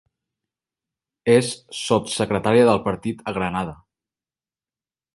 És sotssecretària del partit a Granada.